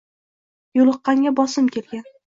Yo‘liqqanga bosim kelgan